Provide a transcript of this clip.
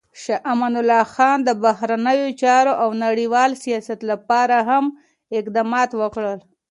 شاه امان الله خان د بهرنیو چارو او نړیوال سیاست لپاره هم اقدامات وکړل.